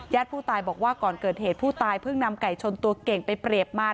ผู้ตายบอกว่าก่อนเกิดเหตุผู้ตายเพิ่งนำไก่ชนตัวเก่งไปเรียบมา